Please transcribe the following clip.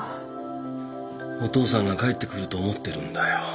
お父さんが帰ってくると思ってるんだよ